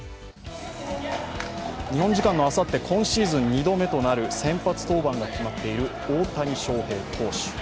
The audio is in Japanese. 日本時間のあさって今シーズン２度目となる先発登板が決まっている大谷翔平投手。